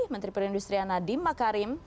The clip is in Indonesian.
menteri perindustrian nadiem makarim